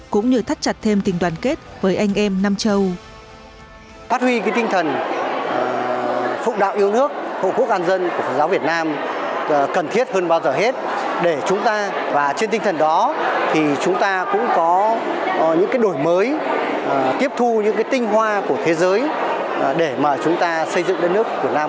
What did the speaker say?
cũng như thắt chặt thêm tình đoàn kết với anh em nam châu